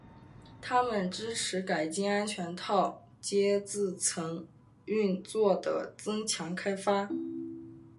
它们支持改进安全套接字层运作的增强开发。